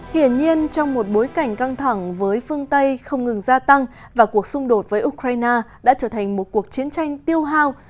hiển nhiên trong một bối cảnh căng thẳng với phương tây không ngừng gia tăng và cuộc xung đột với ukraine đã trở thành một cuộc chiến tranh tiêu hao